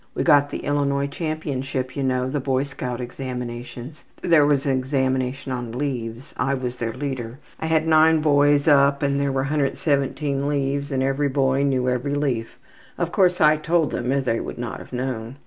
We got the Illinois championship you know, the boy scout examinations. There was an examination on leaves. I was their leader. I had 9 boys up and there were 117 leaves and every boy knew every leaf. Of course I told them or they would not have known.